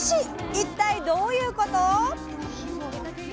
一体どういうこと？